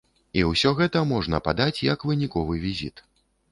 І ўсё гэта можна падаць як выніковы візіт.